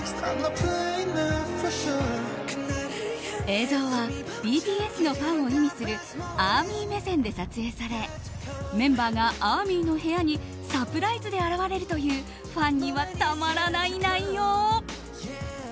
映像はＢＴＳのファンを意味するＡＲＭＹ目線で撮影されメンバーがＡＲＭＹの部屋にサプライズで現れるというファンにはたまらない内容。